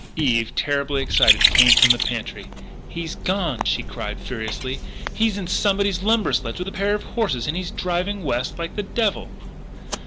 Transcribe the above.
Eve, terribly excited, came from the pantry: "He's gone!" she cried furiously. "He's in somebody's lumber sledge with a pair of horses and he's driving west like the devil!"